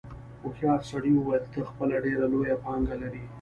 هوښیار سړي وویل ته خپله ډېره لویه پانګه لرې.